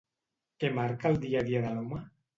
Què marca el dia a dia de l'home?